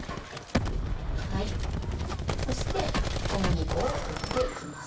そして小麦粉を振って行きます。